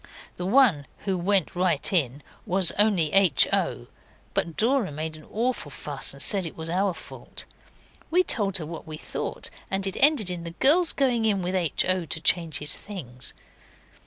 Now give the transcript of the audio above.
The one who went right in was only H. O.; but Dora made an awful fuss and said it was our fault. We told her what we thought, and it ended in the girls going in with H. O. to change his things.